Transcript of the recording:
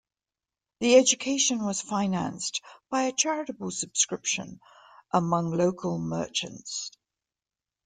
The education was financed by a charitable subscription among local merchants.